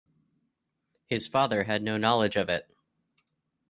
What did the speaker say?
His father had no knowledge of it.